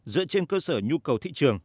dựa trên cơ sở nhu cầu thị trường